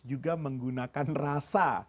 juga menggunakan rasa